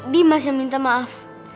dimas yang minta maaf